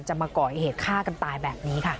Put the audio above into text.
มาก่อเหตุฆ่ากันตายแบบนี้ค่ะ